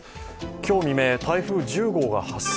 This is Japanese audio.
今日未明、台風１０号が発生。